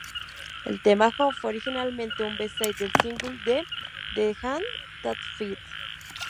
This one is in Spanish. El tema "Home" fue originalmente un B-side del single de "The Hand That Feeds".